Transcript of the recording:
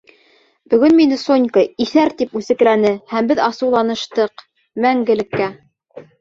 — Бөгөн мине Сонька «иҫәр» тип үсекләне һәм беҙ асыуланыштыҡ... мәңгелеккә.